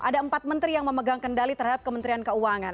ada empat menteri yang memegang kendali terhadap kementerian keuangan